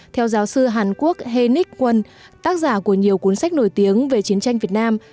theo giáo sư hàn quốc hernich quân tác giả của nhiều cuốn sách nổi tiếng về chiến tranh việt nam